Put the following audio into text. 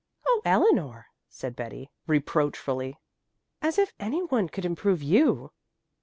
"Oh, Eleanor!" said Betty reproachfully. "As if any one could improve you!"